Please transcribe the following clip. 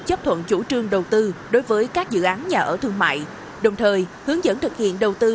chấp thuận chủ trương đầu tư đối với các dự án nhà ở thương mại đồng thời hướng dẫn thực hiện đầu tư